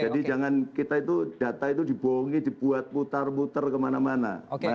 jadi jangan kita itu data itu dibohongi dibuat putar putar kemana mana